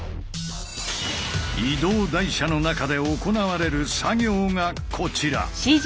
移動台車の中で行われる作業がこちら！